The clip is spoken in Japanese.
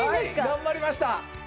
頑張りました！